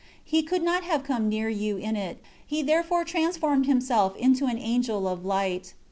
He could not have come near you in it; he therefore transformed himself into an angel of light."